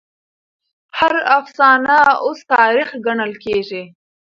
هر افسانه اوس تاريخ ګڼل کېږي.